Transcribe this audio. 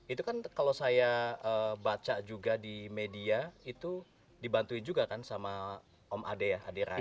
itu kan kalau saya baca juga di media itu dibantu juga kan sama om adi ya adirai